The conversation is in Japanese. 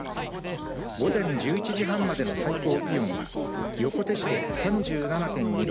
午前１１時半までの最高気温は横手市で３７．２度